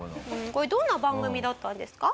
これどんな番組だったんですか？